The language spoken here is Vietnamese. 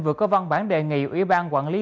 vừa có văn bản đề nghị ủy ban quản lý